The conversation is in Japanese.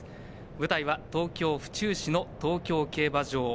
舞台は東京・府中市の東京競馬場。